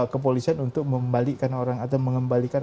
kepolisian untuk mengembalikan